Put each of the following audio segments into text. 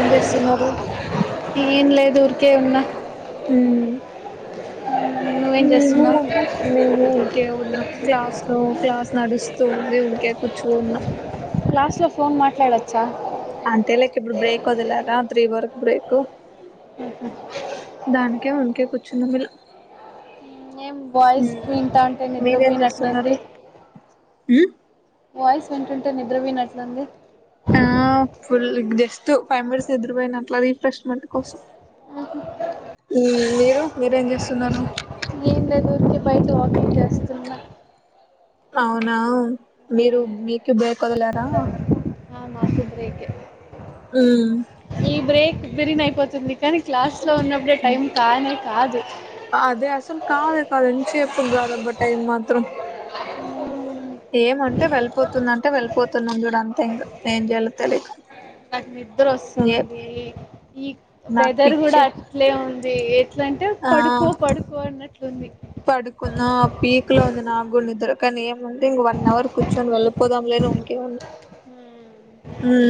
ఏం చేస్తున్నారు ఏం లేదు ఊరికే వున్న ఉ ఉ మేము మేము ఊరికే వున్నాం క్లాస్లో క్లాస్ నడుస్త్ తుంది ఊరికే కూర్చొని వున్న క్లాస్లో ఫోన్ మాట్లాడచ్చా అంతేలేకి ఇప్పుడు బ్రేక్ వదలారా రాత్రి వర్కు బ్రేకు ఉహు దానికే ఉరికే కూర్చున్నం ఇలా ఏం వాయిస్ వింటాంటే మీరేం నిద్రపోయినట్లు వుంది చేస్తున్నారు వాయిస్ వింటంటే నిద్రపోయినట్లు వుంది ఆ ఫుల్లు జస్టు ఫైవ్ మినిట్స్ నిద్రపోయినట్లది ఫ్రష్మెంట్ కోసం మీరు మీరేం చేస్తున్నారు ఏం లేదు ఉతి బయట వాకింగ్ చేస్తున్నా అవునా మీరు మీకు బేక వదలరా ఆ, నాకు బ్రేకే ఉమ్ ఈ బ్రేక్ బెరిిన్ అయిపోతుంది కానీ క్లాస్ లో ఉన్నప్పుడే టైం కానే కాదు అదే అసలు కాదే కాదు ఎం చెప్పు కాదబ టైం మాత్రం ఏమంటే వెళ్ళిపోతుంద అంటే వెళ్ళిపోతున్నాం చూడు అంతే ఇంకా ఏం చేయలో తెలియదు నాకు నిద్ర వస్తుంది ఈ నాకు వెదర్ కూడా పిచ్చి అట్లే ఉంది అట్లంటే ఆ పడుకో పడుకో అన్నట్లుంది పడుకున్న పీక్ లో ఉంది నా కూడ నిద్ర కానీ ఏముంది ఇంక వన్ అవర్ కూర్చొని వెళ్ళిపోతే పోదాం లే రూమ్ కే అని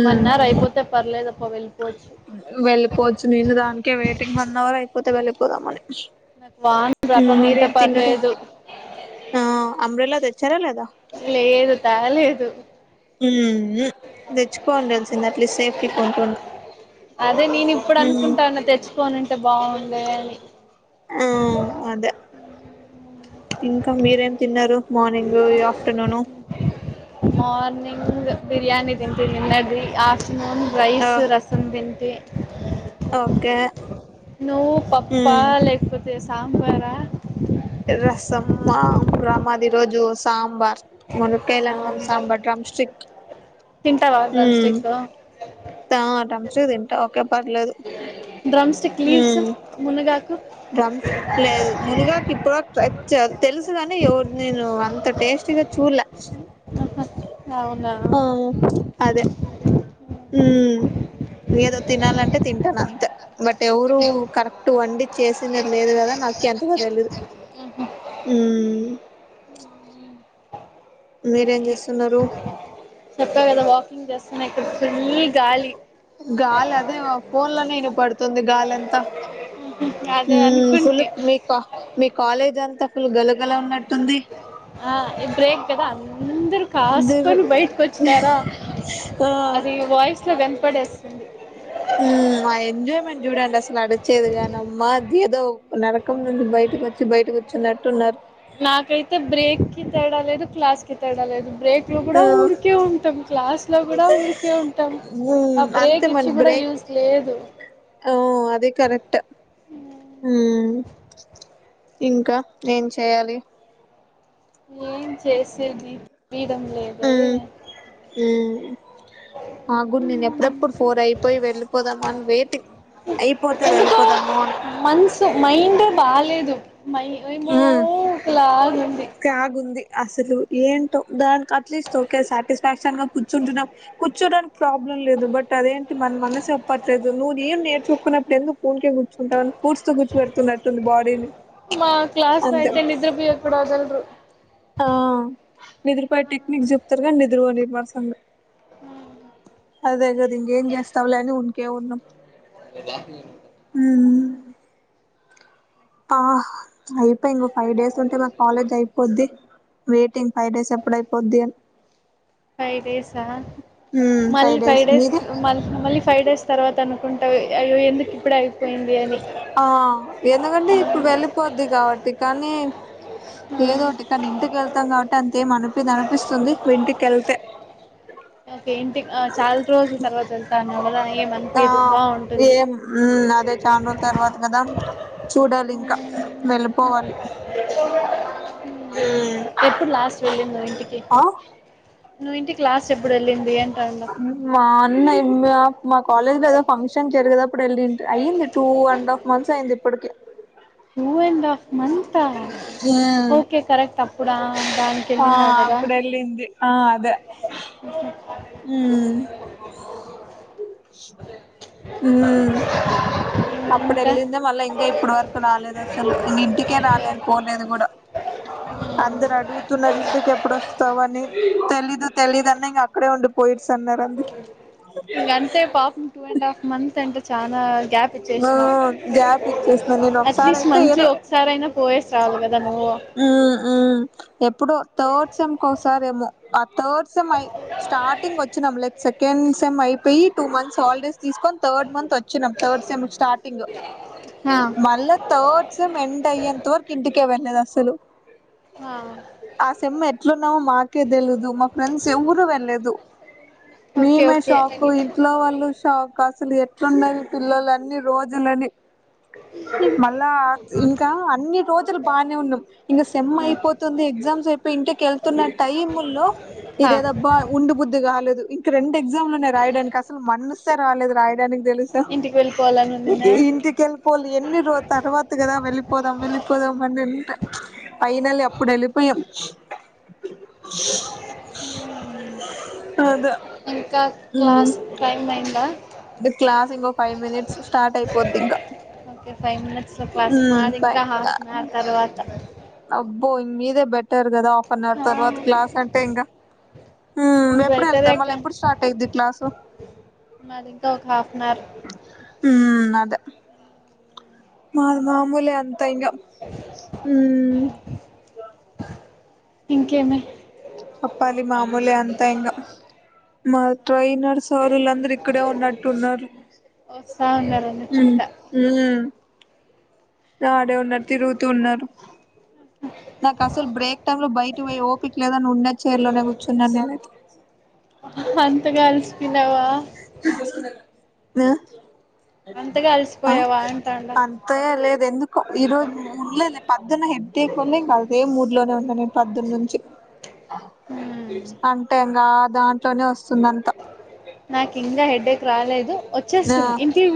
వన్ అవర్ అయిపోతే పర్లేదు అబ్బా వెళ్ళిపోవచ్చు వెళ్ళిపోవచ్చు నేను దానికే వెయిటింగ్ వన్ అవర్ అయిపోతే వెళ్ళిపోదామని నాకు వాన్ రకం ఉంటే మీరేం తినరు పర్లేదు ఆ అంబ్రెల్లా తెచ్చారా లేదా లేదు తేలేదు ఉమ్ ఉహు తెచ్చుకోవలి తెలిసింది అట్లీస్ట్ సేఫ్టీ కుంటున్నా అదే నేను ఇప్పుడు అనుకుంటునా తెచ్చుకోనుంటే బాగుండే అని ఆ అదే ఇంకా మీరేం తిన్నారు మార్నింగ్ ఆఫ్టర్నూన్ మార్నింగ్ బిర్యానీ తింటిని నిన్నడిది ఆఫ్టర్నూన్ ఆ రైస్ రసం రసం తింటిని ఓకే నువ్వు పప్పా ఉమ్ లే లేకపోతే సాంబారా రసం మా మాదీ ఈ రోజు సాంబార్ ములక్కాయల అన్నం సాంబార్ డ్రమ్ స్టిక్ తింటావా డ్రమ్ స్టిక్ తారమ్స్ తింటా ఓకే పర్లేదు [unintelligible] డ్రమ్ స్టిక్ లీవ్స్ ఉమ్ మునగాకు డ్రమ్స్ చ తెల్సుగాని ఎవరు నేను అంత టేస్టు గా చూల్లే అవునా ఆ అదే ఉమ్ ఏదో తినాలంటే తింటాన అంతే బట్ ఎవరూ కరెక్ట్ వండి చేసినది లేదు కదా నాకి అంతగా తెలీయదు ఊమ్ మీరేం చేస్తున్నారు చెప్పా కదా వాకింగ్ చేస్తున్నా ఇక్కడ ఫుల్లు గాలి గాలి అదే ఫోన్ లోనే ఇనపడుతుంది గాలి అంతా అదే ఊమ్ ఫుల్ అనుకుంటి మీ మీ కాలేజ్ అంతా ఫుల్ గలగల ఉన్నట్టు ఆ బ్రేక్ కదా అందరూ దురు కాసుకొని బయటకు వచ్చినారా ఆ అది వాయిస్ లో కనపడేస్తుంది ఊమ్ ఆ ఎంజాయ్మెంట్ చూడండి అసలు అడిచేది కానీ అమ్మా ఏదో నరకం నుంచి బయటకు వచ్చి బయట కూర్చునట్టున్నారు నాకైతే బ్రేక్ కి తేడా లేదు క్లాస్ కి తేడా లేదు బ్రేక్ బ్రేక్ లో కూడా ఆ ఊరికే ఉంటాం క్లాస్ లో కూడా ఊరికే ఉంటాం మ్మ్ ఆ బ్రేక్ అంతే ఇచ్చి కూడా యూస్ లేదు హౌ అదీ కరెక్టే ఊ ఇంకా ఏం చెయ్యాలి ఏం చేసేది బీగం లేదే ఊ ఆగు నేను ఎప్పుడెప్పుడు ఫోర్ అయిపోయి వెళ్ళిపోదామా అని వెయిటింగ్ అయిపోతే వెళ్ళిపోదాము మన్సు మైండే బాలేదు మై ఏమో ఒకలాగుంది క్యాగ్ ఉంది అసలు ఏంటో దానికి అట్లీస్ట్ ఓకె సాటిస్ఫాక్షన్ గా కూర్చుంటున్నా కూర్చోడానికి ప్రాబ్లం లేదు బట్ అదేంటి మన మనసు చెప్పట్లేదు నువ్ ఏం నేర్చుకోకున్నప్పుడు ఎందుకు పూన్కే కూర్చుంటావ కూడ్స్ తో కూర్చో పెడుతున్నట్టుంది బాడీని మా క్లాస్లో అంతే అయితే నిద్ర పోయేకి కూడా వదలరు ఆ నిద్రపోయే టెక్నిక్ చెప్తరు కానీ నిద్రపోనీరు మడసంగా అదే కదా ఇంకేం చేస్తావులే అని ఉరికే ఉన్నం ఇది లోపల ఉంది [unintelligible] ఊ ఆ అయిపేంది ఇంకో ఫైవ్ డేస్ ఉంటే మాకు కాలేజ్ అయిపోద్ది వెయిటింగ్ ఫైవ్ డేస్ ఎప్పుడయిపోద్ది అనీ ఫైవ్ డేసా మళ్ళీ ఫైవ్ డేస్ మళ్ళ మళ్ళీ ఫైవ్ డేస్ తర్వాత అనుకుంటావ్ అయ్యో ఎందుకు ఇప్పుడు అయిపోయింది అని ఆ ఎందుకంటే ఇప్పుడు వెళ్ళిపోద్ది కాబట్టి కానీ ఏదోటి కానీ ఇంటికి వెళ్తాం కాబట్టి అంతేం అనిపి అనిపిస్తుంది ఇంటికెళ్తే పెయింటింగ్ చాలా రోజులు తర్వాత వెళ్తా అన్నావ్ కదా ఏం అనిపి ఆ ఏం ఊ అదే చాన రోజుల తర్వాత కదా చూడాలి ఇంకా వెళ్ళిపోవాలి హ్మ్మ్ ఎప్పుడు లాస్ట్ వెళ్ళింది నువ్వు ఇంటికి హ నువ్వు ఇంటికి లాస్ట్ ఎప్పుడు వెళ్ళింది అంటాండా మా అన్న మా మా కాలేజ్ లో ఏదో ఫంక్షన్ జరిగేటప్పుడు వెళ్ళింటి అయ్యింది. టూ అండ్ హాఫ్ మంత్స్ అయింది ఇప్పటికి నువ్వు ఎందా మంత ఓకే కరెక్ట్ అప్పుడా ఆ దానికి వెళ్ళింనా కదా ఇలింది ఆ అదే ఉమ్ [unintelligible] హమ్ అప్పుడు ఇంకా వెళ్ళిందే మళ్ళా ఇంకా ఇప్పుడు వరకు రాలేదు అసలు ఇంటికే ఓకే రాలేదు ఓకే పోలేదు కూడా [inaudible] అందరూ అడుగుతున్నారు ఇంటికి ఎప్పుడోస్తావు అని తెలీదు తెలీదన్న ఇంక అక్కడే ఉండి పోయిట్స్ అన్నారు అందరూ ఇక అంతే పాపం టూ అండ్ హాఫ్ మంత్స్ అంటే చాలా గ్యాప్ ఆ ఇచ్చేసినావు. గ్యాప్ ఇచ్చేసిన నేను ఒకసారి అట్లీస్ట్ అయితే మంత్లీ ఏదో ఒకసారి అయినా పోయేసి రావాలి కదా నువ్వు ఉమ్ ఉమ్ ఎప్పుడో థర్డ్ సెమ్కి ఒకసారేమో ఆ థర్డ్ సెమ్ అయి స్టార్టింగ్ వచ్చినాం లే సెకండ్ సెమ్ అయిపోయి టూ మంత్స్ హాలిడేస్ తీసుకొని థర్డ్ మంత్ వచ్చ చ్చినాం థర్డ్ సేమ్ స్టార్టింగ్ హా మళ్ళా థర్డ్ సేమ్ ఎండ్ అయ్యేంత వరకు ఇంటికే వెళ్లేదు అసలు ఆ ఆ సేమ్ ఎట్లున్నామో మాకే తెలీయదు మా ఫ్రెండ్స్ ఎవరూ వెళ్లేదు. ఓకే మీమే ఓకే షాకు ఇంట్లో వాళ్ళు షాక్ అసలెట్లుండాల పిల్లలన్నీ రోజులని మళ్ళా ఇంకా అన్ని రోజులు బానే ఉన్నాం ఇంకా సేమ్ అయిపోతుంది ఎగ్జామ్స్ అయిపోఇంటికెళ్తున్న టైమ్ లో హా ఇదేదబ్బా ఉండ బుద్ధి కాలేదు ఇంక రెండెగ్జామ్లున్నాయి రాయడానికసలు మనసే రాలేదు రాయడానికి తెలుసా ఇంటికి వెళ్ళిపోవాలని ఉందా ఇంటికెల్ పోల్ ఎన్నిరోజు తర్వాత కదా వెళ్లిపోదం వెళ్లిపోదం అనుంటా ఫైనల్లీ అప్పుడేళ్ళిపోయాం [inaudible] అద ఇంకా క్లాస్ టైం అయింద అంటే క్లాస్ ఇంకో ఫైవ్ మినిట్స్ స్టార్ట్ అయిపోద్దింకా ఓకే ఫైవ్ మినిట్స్ క్లాస్ మాదింకా హాఫ్ అన్ అవర్ తర్వాత అబ్బో ఇ మీదే బెటర్ కదా హాఫ్ అన్ అవర్ తర్వాత క్లాస్ అంటే ఇంకా మ్మ్ ఎప్పుడేళ్తా బెటరే మళ్ళీ కా ఎప్పుడు స్టార్ట్ అయిద్ది క్లాసు మాదింక ఒక హాఫ్న్ అవర్ హ్మ్మ్ అద మాది మామూలే అంతా ఇంగా మ్మ్ ఇంకేమి అప్పాలి మామూలే అంతా ఇంగా మా ట్రైనర్ సారులందరూ ఇక్కడే ఉన్నట్టున్నారు. వస్తా ఉన్నారనుకుంటా హ్మ్మ్ ఆడే ఉన్నారు తిరుగుతూ ఉన్నారు నాకసలు బ్రేక్ టైమ్ లో బయట పోయి ఓపిక లేదని ఉన్న చైర్లోనే కూర్చున్నాను నేనైతే అంతగా అలసిపోయినావా అంతగా ఆ ఆ అలసిపోయావా అంటాండ అంతగా లేదెందుకో ఈ రోజు లే లే పొద్దున హెడేక్ ఉంది ఇంకదే మూడ్లోనే ఉన్నా నేను పద్దునుంచి అంటే ఇంగ దాంట్లోనే వస్తుందంతా నాకింగా హెడ్డేక్ రాలేదు ఆ వచ్చేస్తుంది ఇంటికి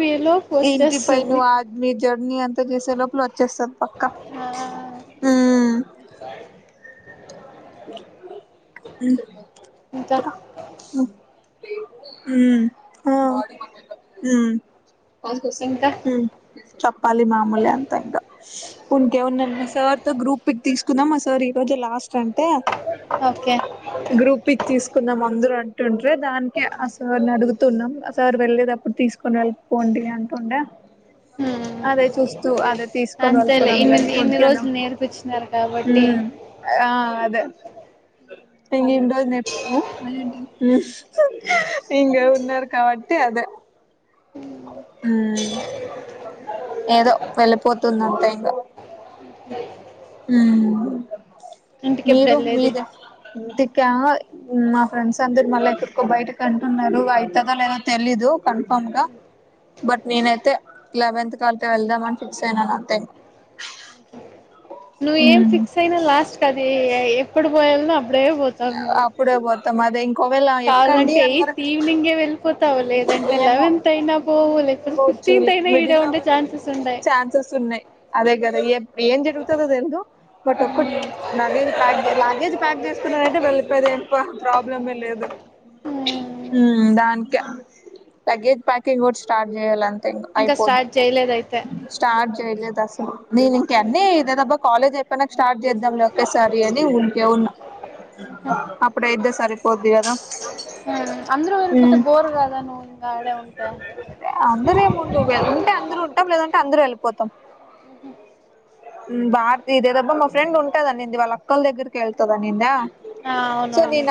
ఇంటి పై పోయేలోపోచ్చేస్తుంది. నువ్వు ఆ మీ జర్నీ అంతా చేసే లోపల వచ్చేస్తది పక్కా ఊమ్మ్ స అ ఉమ్ ఇంకా ఉమ్ ఇంకా ఉమ్ చెప్పాలి మామూలే అంతా ఇంగా ఉంటే ఉండనీ మా సార్ తో గ్రూప్ పిక్ తీసుకుందాం మా సార్ ఈ రోజే లాస్ట్ అంటే ఓకే గ్రూప్ పిక్ తీసుకుందాం అందరు అంటుంటే దానికే ఆసార్ని అడుగుతున్నాం ఆ సార్ వెళ్లేేటప్పుడు తీసుకు [unintelligible] [unintelligible] [unintelligible] హ్మ్ అదే చూస్తు అదే తీసుకొని అంతేలే వెళ్ళిపోదాం లే [inaudible] ఇన్ని అని మ్మ్ ఇన్ని రోజులు నేర్పించినారు కాబట్టి ఆ అది అద ఇ రోజు నేపు అంటి ఇంగ ఉన్నర్ కాబటి అదే ఏదో వెళ్ళిపోతుంది అంతే ఇంగా ఇంటికెప్పుడు మీరు వెళ్ళేది మీద ఇంటికా మా ఫ్రెండ్స్ అందరు మళ్ళా ఎక్కడికో బయటకు అంటున్నారు అయితదో లేదా తెలీదు కన్ఫర్మ్ గా బట్ నేనైతే లెవెంత్కి అట్ట వెళ్దాంని ఫిక్స్ అయినాను అంతే నువ్వేం ఫిక్స్ అయినా లాస్ట్కి అది ఎప్పుడు పోయాలనో అప్పుడే పోతావు నువ్వు ఇప్పుడే పోతాం అదే ఇంకోవేళ ఎక్కండి కావాలంటే అన్నారు ఎయిత్ ఈవినింగే వెళ్ళిపోతావు లేదంటే ఏమో లెవెన్త్ అయినా పోవు పోవచ్చు ఫిఫ్టింత్ అయినా ఈడే మిడిల్ లో ఉండే ఛాన్సెస్ ఉండాయి ఛాన్సెస్ ఉన్నాయి అదే కదా ఏం జరుగుతుందో తెలదు బట్ ఒక్కటి లగేజ్ ప్యాక్ లగేజ్ ప్యాక్ చేసుకున్నానంటే వెళ్ళిపోయది పా ప్రాబ్లమే లేదు హ్మ్ ఉమ్ దానికే లగేజ్ ప్యాకింగ్ ఓటి స్టార్ట్ చేయాలంత ఇంకా అయిపోద్ది స్టార్ట్ చేయలేదయితే స్టార్ట్ చేయలేదు అసలు నేను ఇంక అన్ని ఇదేదబ్బా కాలేజ్ అయిపోయినాక స్టార్ట్ చేద్దాం లే ఒక్కేసారి అని ఊరికే ఉన్న అప్పుడు అయితే సరిపోయిద్ది కదా అందరూ వెళ్ళిపోతే ఉమ్ బోర్ కదా నువ్వు ఇంకా ఆడే ఉంటే అందరూ ఏముండరూ ఉంటే అందరు ఉంటాం లేదంటే అందరు వెళ్ళిపోతాం బార్ ఇదేదబ్బా మా ఫ్రెండ్ ఉంటదనింది వాళ్ళ అక్కల దగ్గరికే వెళ్తాననిందా ఆ అవును మీ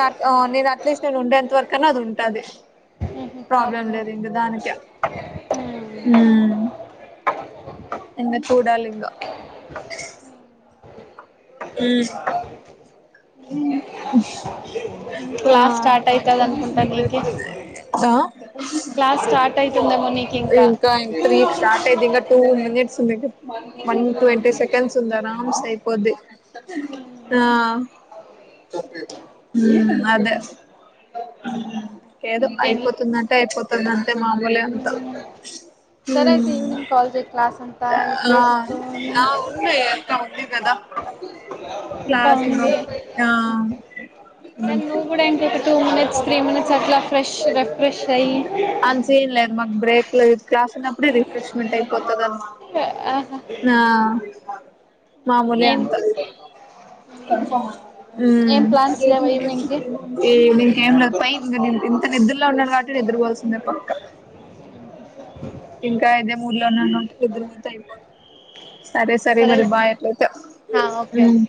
నేను అట్లీస్ట్ నేను ఉండేంతవరకన్నా అది ఉంటది ప్రాబ్లం ఓకే లేదు ఇంగా దానికే ఉమ్ [unintelligible] చూడాలి ఇంగా ఉ ఉమ్ ఆ క్లాస్ స్టార్ట్ అయితది అనుకుంటా నీకి ఆ క్లాస్ స్టార్ట్ అవుతుందేమో నీకు ఇంకా త్రీ స్టార్ట్ అయిది ఇంకా టూ మినిట్స్ ఉంది వన్ ట్వంటీ సెకండ్స్ ఉంది ఆరమ్స్ అయిపోద్ది ఆ అదే లేదో ఇంకేం అయిపోతుందంటే అయిపోతుంది అంతే మామూలుగా సరే అయితే ఈవినింగ్ కాల్ చెయ్ క్లాస్ అంతా ఆ అయిపోస్తూనే ఆ ఉన్నాయి అక్క ఉంది కదా ఇంకా ఉంది ఆ తను ఇప్పుడంటే ఒక టూ మినిట్స్ త్రీ మినిట్స్ అట్లా ఫ్రెష్గా రిఫ్రెష్ అయ్యి అంత సీన్ లేదు మాకు బ్రేక్ లో క్లాస్ ఉన్నప్పుడే రిఫ్రెష్మెంట్ అయిపోతుంది ఆహా ఆ మామూలే ఏం అంతా ఉమ్ ఏం ప్లాన్స్ లేవా ఈవినింగ్ కి ఏ ఇంకేం లేదు పై ఇక నేను ఇంత నిద్రలో ఉన్నాను కాబట్టి నిద్ర పోవాల్సిందే పక్క ఇంకా ఇదే మూడులో ఉన్నాను దొరికితే అయిపోద్ది సరే సరే మరి సరేలే బాయ్ అట్లయితే ఆ ఓకే ఓకే ఉమ్